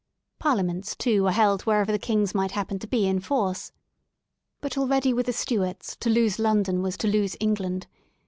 Parlia ments, too, were held wherever the Rings might happen to be in force. But already with the Stewarts to lose London was to lose England.